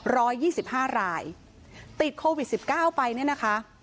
ยี่สิบห้ารายติดโควิดสิบเก้าไปเนี่ยนะคะ